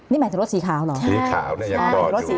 นี่หมายถึงรถสีขาวเหรอสีขาวเนี่ยยังต่ออยู่